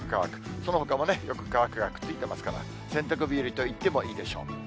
そのほかもね、よく乾くがくっついていますから、洗濯日和といってもいいでしょう。